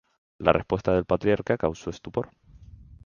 La respuesta del patriarca causó estupor.